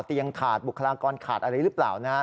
เตียงขาดบุคลากรขาดอะไรหรือเปล่า